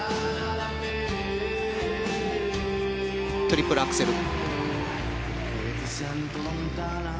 トリプルアクセル。